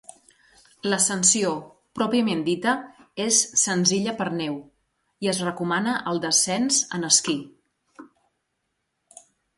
L'ascensió pròpiament dita és senzilla per neu, i es recomana el descens en esquí.